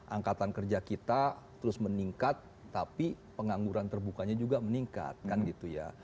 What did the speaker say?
angkatan kerja kita terus meningkat tapi pengangguran terbukanya juga meningkat kan gitu ya